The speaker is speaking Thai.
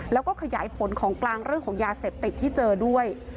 แล้วก็ขยายผลของกลางเรื่องของยาเสพติดที่เจอด้วย